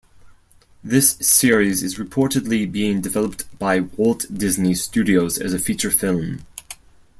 This series is reportedly being developed by Walt Disney Studios as a feature film.